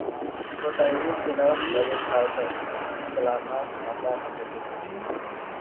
Kota ini dikenal sebagai Kahlberg selama masa tersebut.